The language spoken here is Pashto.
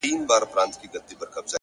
ځمه ويدېږم ستا له ياده سره شپې نه كوم،